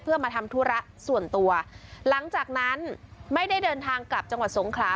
เพื่อมาทำธุระส่วนตัวหลังจากนั้นไม่ได้เดินทางกลับจังหวัดสงขลา